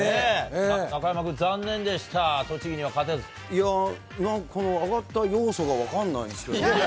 中山君、残念でした、栃木にいや、なんかこの上がった要素が分かんないんですけど。